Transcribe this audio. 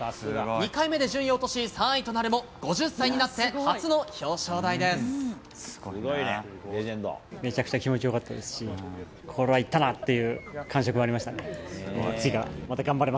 ２回目で順位を落とし、３位となるも、５０歳になって初の表彰台めちゃくちゃ気持ちよかったですし、これはいったなっていう感触もありましたね。